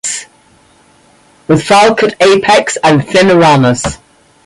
Aedeagus with falcate apex and thinner ramus.